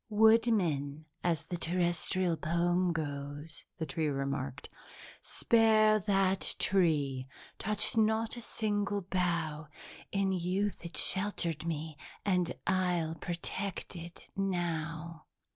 "'Woodman,' as the Terrestrial poem goes," the tree remarked, "'spare that tree! Touch not a single bough! In youth it sheltered me and I'll protect it now!'"